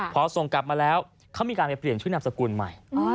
พอส่งกลับมาแล้วเขามีการไปเปลี่ยนชื่อนามสกุลใหม่